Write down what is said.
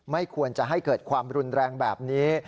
ไม่ควรจะให้เกิดความรุนแรงแบบนี้